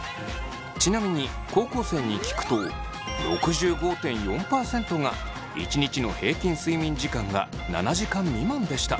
ちなみに高校生に聞くと６５．４％が１日の平均睡眠時間が７時間未満でした。